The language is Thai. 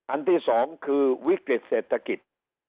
อันที่๒คือวิกฤตเศรษฐกิจ